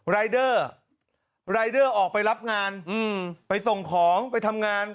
รายเดอร์รายเดอร์ออกไปรับงานไปส่งของไปทำงาน